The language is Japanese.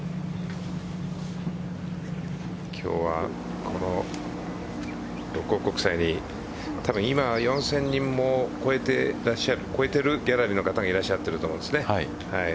今日は、この六甲国際にたぶん、今４０００人も超えていらっしゃるギャラリーの方がいらっしゃっていると思います。